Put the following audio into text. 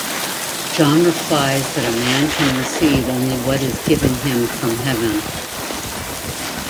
John replies that A man can receive only what is given him from heaven.